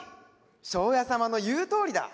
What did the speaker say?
庄屋様の言うとおりだ！